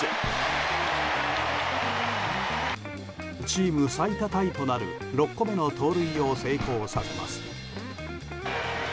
チーム最多タイとなる６個目の盗塁を成功させます。